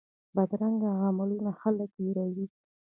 بدرنګه عملونه خلک ویروي